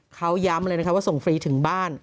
เขาย้ำเลยนะคะว่าส่งฟรีถึงบ้าน